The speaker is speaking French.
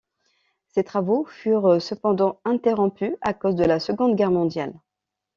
Ses travaux furent cependant interrompus à cause de la Seconde Guerre mondiale.